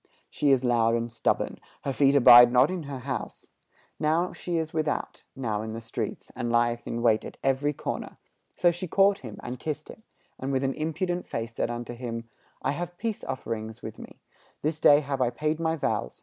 She is loud and stubborn; Her feet abide not in her house: Now she is without, now in the streets, And lieth in wait at every corner. So she caught him, and kissed him, And with an impudent face said unto him, I have peace offerings with me; This day have I paid my vows.